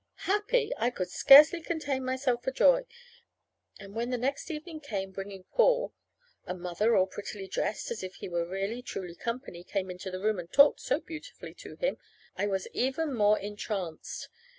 Happy? I could scarcely contain myself for joy. And when the next evening came bringing Paul, and Mother, all prettily dressed as if he were really truly company, came into the room and talked so beautifully to him, I was even more entranced.